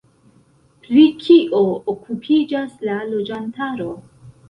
Pri kio okupiĝas la loĝantaro?